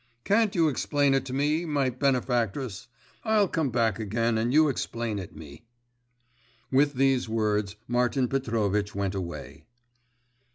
Can't you explain it to me, my benefactress? I'll come back again and you explain it me.' With these words Martin Petrovitch went away.